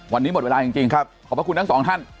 วันนี้หมดเวลาจริงขอบคุณทั้งสองท่าน